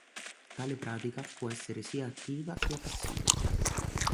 Tale pratica può essere sia attiva sia passiva.